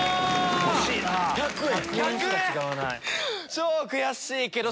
超悔しいけど。